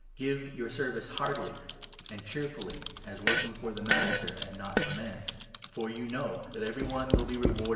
Give your service heartily and cheerfully, as working for 7 the Master and not for men ; for you know that eve&y one will 8 i8 Prov.